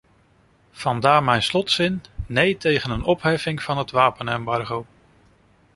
Vandaar mijn slotzin: nee tegen een opheffing van het wapenembargo.